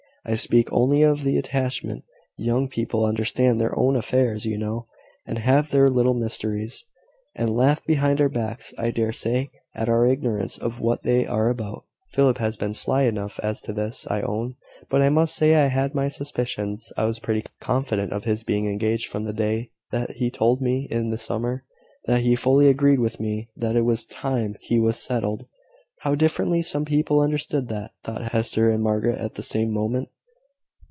I speak only of the attachment. Young people understand their own affairs, you know, and have their little mysteries, and laugh behind our backs, I dare say, at our ignorance of what they are about. Philip has been sly enough as to this, I own: but I must say I had my suspicions. I was pretty confident of his being engaged from the day that he told me in the summer, that he fully agreed with me that it was time he was settled." "How differently some people understood that!" thought Hester and Margaret at the same moment.